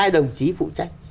hai đồng chí phụ trách